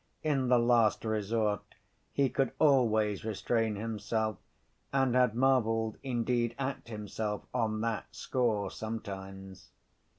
In the last resort, he could always restrain himself, and had marveled indeed at himself, on that score, sometimes.